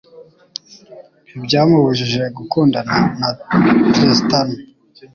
ntibyamubujijje gukundana na Tristan.